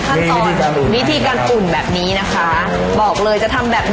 มีนักร้อน